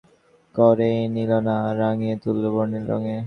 ব্রাজিলিয়ানরা বিশ্বকাপকে শুধু বরণ করেই নিল না, রাঙিয়ে তুলল বর্ণিল রঙে।